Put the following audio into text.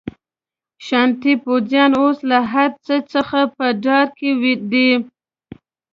شاتني پوځیان اوس له هرڅه څخه په ډار کې دي.